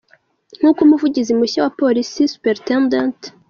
Nkuko umuvugizi mushya wa polisi Supt.